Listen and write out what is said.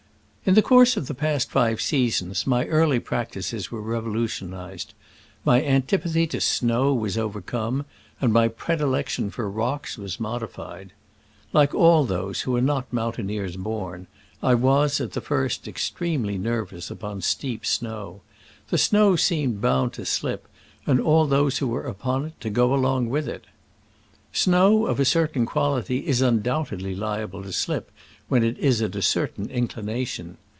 In the course of the past five seasons my early practices were revolutionized. My antipathy to snow was overcome, and my predilection for rocks was modi fied. Like all those who are not moun taineers born, I was, at the first, ex tremely nervous upon steep snow. The snow seemed bound to slip, and all those who were upon it to go along with it. Snow of a certain quality is undoubtedly liable to slip when it is at a certain in clination.